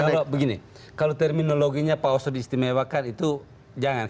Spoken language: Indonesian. kalau begini kalau terminologinya pak oso diistimewakan itu jangan